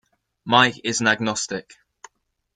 Mike is an agnostic.